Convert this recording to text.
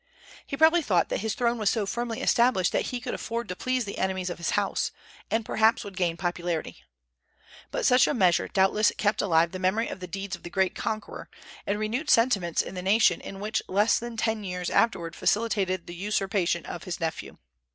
He probably thought that his throne was so firmly established that he could afford to please the enemies of his house, and perhaps would gain popularity. But such a measure doubtless kept alive the memory of the deeds of the great conqueror, and renewed sentiments in the nation which in less than ten years afterward facilitated the usurpation of his nephew.